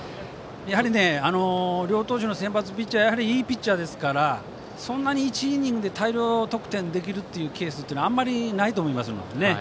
やはり両投手の先発ピッチャーはいいピッチャーですからそんなに１イニングで大量得点できるケースはあまりないと思いますのでね。